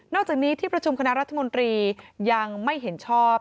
จากนี้ที่ประชุมคณะรัฐมนตรียังไม่เห็นชอบ